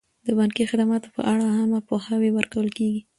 د بانکي خدماتو په اړه عامه پوهاوی ورکول کیږي.